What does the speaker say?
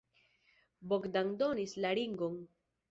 Bogdan donis la ringon.